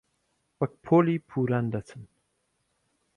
وەک پۆلی پۆڕان دەچن